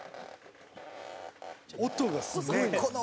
「音がすごいの」